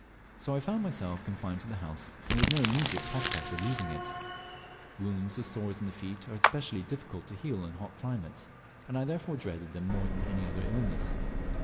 So I found myself confined to the house, and with no immediate prospect of leaving it. Wounds or sores in the feet are especially difficult to heal in hot climates, and I therefore dreaded them more than any other illness.